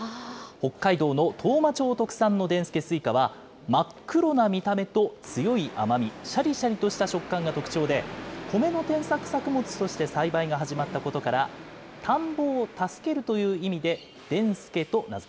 北海道の当麻町特産のでんすけすいかは、真っ黒な見た目と強い甘み、しゃりしゃりとした食感が特徴で、コメの転作作物として栽培が始まったことから、田んぼを助けるという意味で、なるほど。